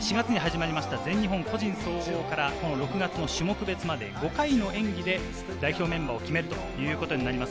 ４月に始まりました全日本個人総合から、６月の種目別まで５回の演技で代表メンバーを決めるということになります。